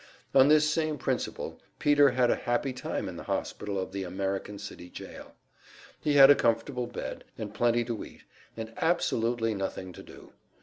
On this same principle Peter had a happy time in the hospital of the American City jail. He had a comfortable bed, and plenty to eat, and absolutely nothing to do.